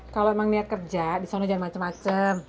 kalau memang niat kerja di sana jangan macem macem